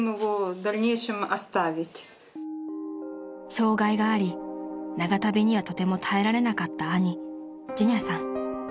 ［障がいがあり長旅にはとても耐えられなかった兄ジェニャさん］